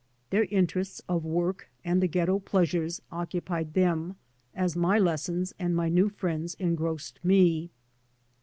Their interests of work and the ghetto pleasures occupied them as my lessons and my new friends engrossed me.